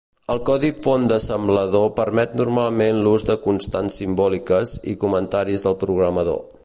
El codi font d'assemblador permet normalment l'ús de constants simbòliques i comentaris del programador.